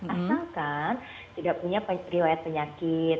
asalkan tidak punya riwayat penyakit